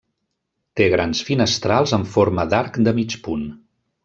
Té grans finestrals en forma d'arc de mig punt.